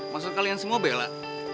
maksud kalian semua bella